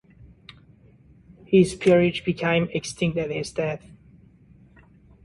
His peerage became extinct at his death.